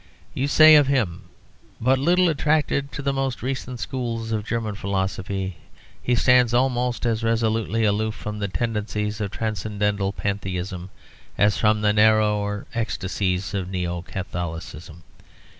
You say of him "But little attracted to the most recent schools of German philosophy, he stands almost as resolutely aloof from the tendencies of transcendental Pantheism as from the narrower ecstasies of Neo Catholicism."